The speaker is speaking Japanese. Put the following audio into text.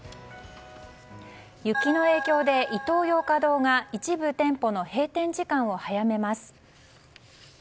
雪の影響でイトーヨーカドーが一部店舗の閉店時間を早めます。